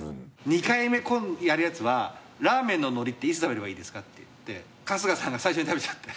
２回目今度やるやつは「ラーメンののりっていつ食べればいいですか？」っていって春日さんが最初に食べちゃった。